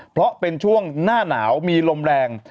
เพราะเป็นช่วงหน้าหนาวมีลมแรง